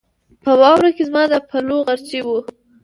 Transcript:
په واوره کې زما د پلوو غرچی و